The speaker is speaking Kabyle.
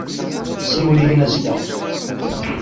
Siwel-iyi-n azekka.